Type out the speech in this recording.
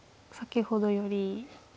先ほどより。